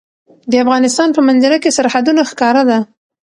د افغانستان په منظره کې سرحدونه ښکاره ده.